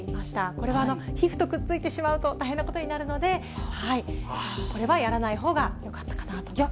これは皮膚とくっついてしまうと大変なことになるので、これはやらないほうがよかったかなと思います。